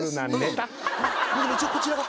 でも一応こちらが１点。